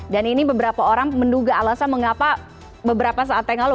dan ini beberapa orang menduga alasan mengapa beberapa saat yang lalu